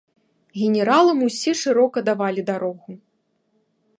Генералам усе шырока давалі дарогу.